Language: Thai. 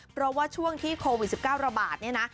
เพราะว่าช่วงที่โควิด๑๙ระบาดเนี่ยนะ